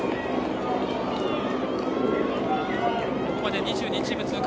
ここまで２２チーム通過。